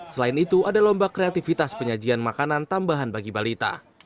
selain itu ada lomba kreativitas penyajian makanan tambahan bagi balita